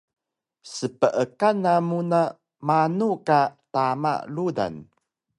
Speekan namu na manu ka tama rudan?